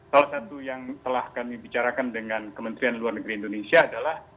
salah satu yang telah kami bicarakan dengan kementerian luar negeri indonesia adalah